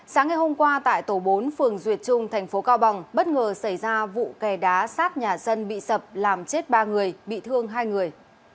sáng ngày hôm qua tại tổ bốn phường duyệt trung thành phố cao bằng bất ngờ xảy ra vụ kè đá sát nhà dân bị sập làm chết ba người bị thương hai người